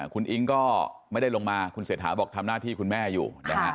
คุณอิ๊งก็ไม่ได้ลงมาคุณเศรษฐาบอกทำหน้าที่คุณแม่อยู่นะฮะ